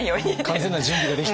完全な準備ができて。